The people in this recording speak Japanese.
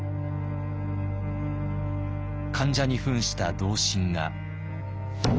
患者にふんした同心が。